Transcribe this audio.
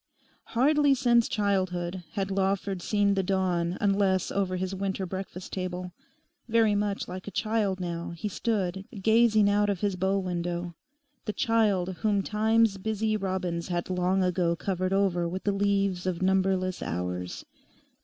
Hardly since childhood had Lawford seen the dawn unless over his winter breakfast table. Very much like a child now he stood gazing out of his bow window—the child whom Time's busy robins had long ago covered over with the leaves of numberless hours.